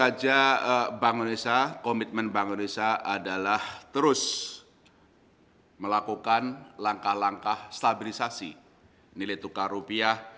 kinerja bank indonesia komitmen bank indonesia adalah terus melakukan langkah langkah stabilisasi nilai tukar rupiah